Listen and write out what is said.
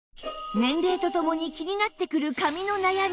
年齢とともに気になってくる髪の悩み